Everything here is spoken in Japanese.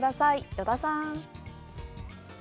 依田さん。